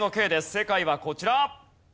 正解はこちら。